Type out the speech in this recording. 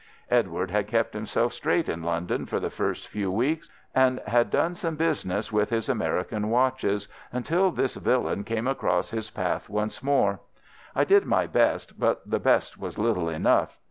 Edward had kept himself straight in London for the first few weeks, and had done some business with his American watches, until this villain came across his path once more. I did my best, but the best was little enough.